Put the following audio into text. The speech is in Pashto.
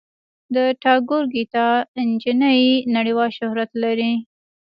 د ټاګور ګیتا نجلي نړیوال شهرت لري.